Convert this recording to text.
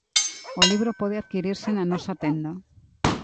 O libro pode adquirirse na nosa tenda.